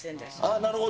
なるほど。